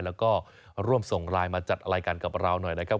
แล้วก็ร่วมส่งไลน์มาจัดรายการกับเราหน่อยนะครับ